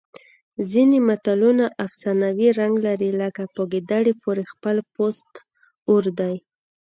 ځینې متلونه افسانوي رنګ لري لکه په ګیدړې پورې خپل پوست اور دی